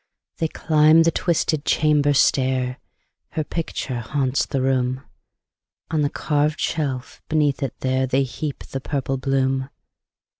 They climb the twisted chamber stair; Her picture haunts the room; On the carved shelf beneath it there, They heap the purple bloom.